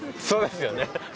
そうですよね。